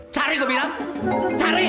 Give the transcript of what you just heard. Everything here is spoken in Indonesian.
cari gua bilang cari